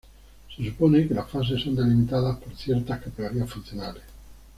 Se supone que las fases son delimitadas por ciertas categorías funcionales.